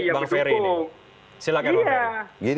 bang ferry nih silahkan bang ferry